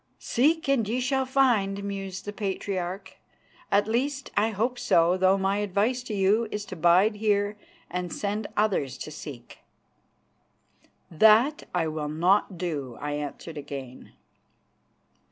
"Seek and ye shall find," mused the Patriarch; "at least, I hope so, though my advice to you is to bide here and send others to seek." "That I will not do," I answered again.